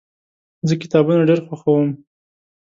زه کتابونه ډیر خوښوم.